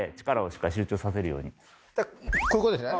こういうことですね。